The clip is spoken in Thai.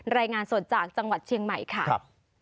รายงานสดจากจังหวัดเชียงใหม่ค่ะ